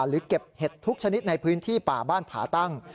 เก็บเห็ดทุกชนิดในพื้นที่ป่าบ้านผาตั้ง